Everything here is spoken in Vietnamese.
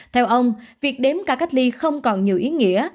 theo ông việc đếm ca cách ly không còn nhiều ý nghĩa